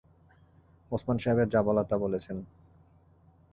ওসমান সাহেবের যা বলার তা বলেছেন।